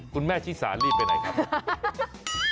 คุณแม่ชิสารีบไปไหนครับ